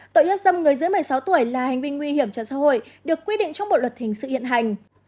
tội hiếp dâm người dưới một mươi sáu tuổi là hành vi nguy hiểm cho xã hội được quy định trong bộ luật hình sự hiện hành